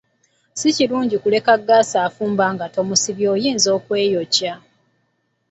Si kirungi kuleka ggaasi afumba nga tomusibye oyinza okweyokya.